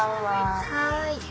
はい。